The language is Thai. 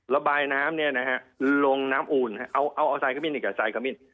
ระบายน้ำลงน้ำอูนเอาสายขมิ้นอีกก่อน